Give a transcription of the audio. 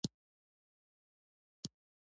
ازادي راډیو د اقلیتونه لپاره عامه پوهاوي لوړ کړی.